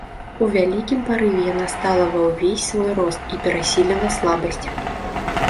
У вялікім парыве яна стала ва ўвесь свой рост і перасіліла слабасць.